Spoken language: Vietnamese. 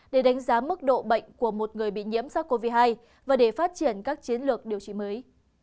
để đánh giá mức độ bệnh của một người bị nhiễm sars cov hai và để phát triển các chiến lược điều trị mới